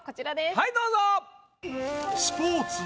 はいどうぞ。